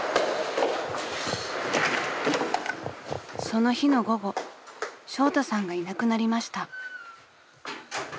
［その日の午後ショウタさんがいなくなりました］